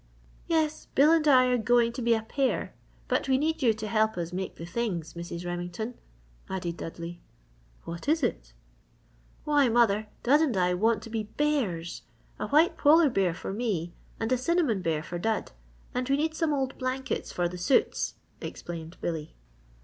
"Yes, Bill and I are going to be a pair but we need you to help us make the things, Mrs. Remington," added Dudley. "What is it?" "Why, mother, Dud and I want to be bears a white polar bear for me and a cinnamon bear for Dud, and we need some old blankets for the suits," explained Billy.